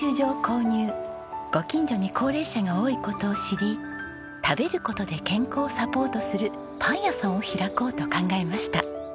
ご近所に高齢者が多い事を知り食べる事で健康をサポートするパン屋さんを開こうと考えました。